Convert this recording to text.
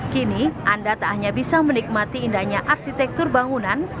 kini anda tak hanya bisa menikmati indahnya arsitektur bangunan